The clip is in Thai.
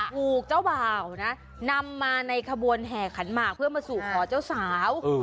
ถูกเจ้าบ่าวนะนำมาในขบวนแห่ขันหมากเพื่อมาสู่ขอเจ้าสาว